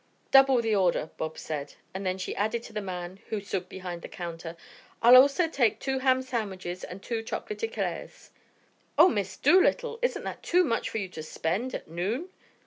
"Double the order," Bobs said, and then she added to the man who stood behind the counter: "I'll also take two ham sandwiches and two chocolate eclairs." "Oh, Miss Dolittle, isn't that too much for you to spend at noon?"